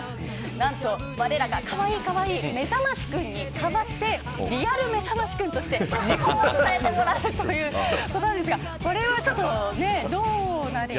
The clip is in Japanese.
何とわれらが、かわいいかわいいめざましくんに代わってリアルめざましくんとして時報を伝えてもらうということなんですがこれはちょっとねどうなりますか。